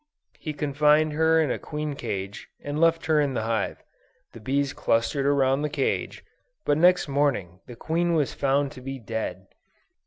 He confined her in a queen cage, and left her in the hive. The bees clustered around the cage; but next morning the queen was found to be dead.